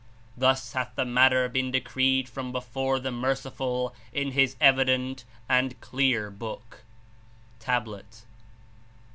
Thus hath the matter been decreed from before the Merciful in His evident and clear Book." (Tablet.)